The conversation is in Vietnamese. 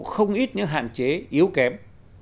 không ít những hạn chế yếu kém